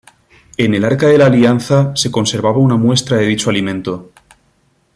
En el Arca de la Alianza se conservaba una muestra de dicho alimento.